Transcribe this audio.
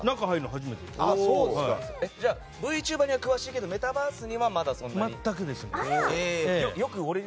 ＶＴｕｂｅｒには詳しいけどメタバースにはまだそんなに。